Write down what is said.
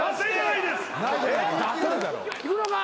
いくのか？